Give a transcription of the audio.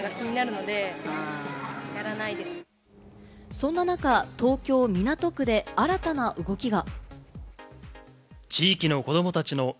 そんな中、東京・港区で新たな動きが。